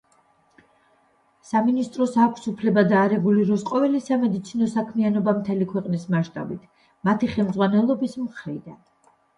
სამინისტროს აქვს უფლება დაარეგულიროს ყოველი სამედიცინო საქმიანობა მთელი ქვეყნის მასშტაბით, მათი ხელმძღვანელობის მხრიდან.